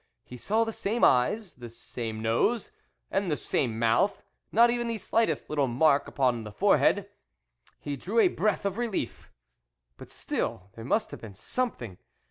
He saw the same eyes, the same nose, and the same mouth, and not even the slightest little mark upon the forehead he drew a breath ol relief. But still, there must have been something.